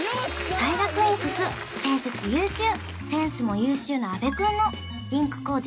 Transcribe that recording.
大学院卒成績優秀センスも優秀な阿部くんのリンクコーデ